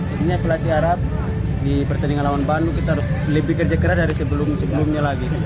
intinya pelatih harap di pertandingan lawan bandung kita harus lebih kerja keras dari sebelum sebelumnya lagi